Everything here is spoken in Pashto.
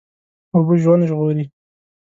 اوبه ژوند ژغوري.